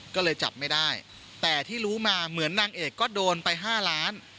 ก็เลยจับไม่ได้แต่ที่รู้มาเหมือนนางเอกก็โดนไป๕ล้าน